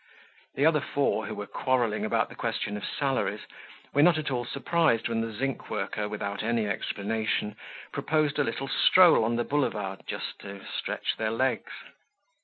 The other four, who were quarrelling about the question of salaries, were not at all surprised when the zinc worker, without any explanation, proposed a little stroll on the Boulevard, just to stretch their legs.